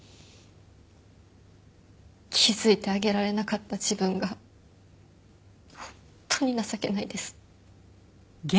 気づいてあげられなかった自分が本当に情けないです。